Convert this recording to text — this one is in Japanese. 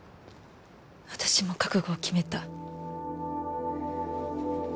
私も覚悟を決めた。